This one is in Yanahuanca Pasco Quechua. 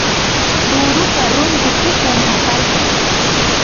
turupa runtu pukun hakaykan.